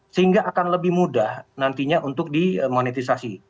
sehingga akan lebih mudah nantinya untuk dimonetisasi